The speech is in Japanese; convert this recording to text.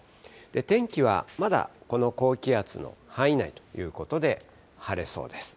天気はまだこの高気圧の範囲内ということで晴れそうです。